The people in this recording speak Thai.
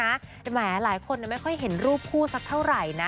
แต่หลายคนไม่ค่อยเห็นรูปคู่สักเท่าไหร่นะ